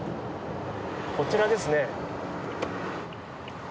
こちらですね。